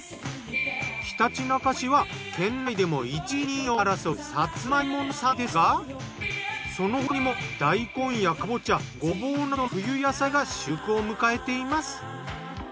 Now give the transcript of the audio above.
ひたちなか市は県内でも１位２位を争うさつま芋の産地ですがその他にも大根やかぼちゃごぼうなどの冬野菜が収穫を迎えています。